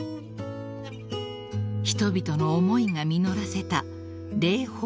［人々の思いが実らせた霊峰の緑］